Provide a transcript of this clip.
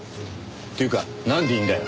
っていうかなんでいるんだよ！